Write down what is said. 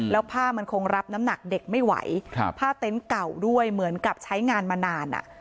แล้วผ้ามันคงรับน้ำหนักเด็กไม่ไหวผ้าเต็นต์เก่าด้วยเหมือนกับใช้งานมานานอ่ะ